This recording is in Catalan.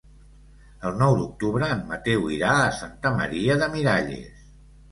El nou d'octubre en Mateu irà a Santa Maria de Miralles.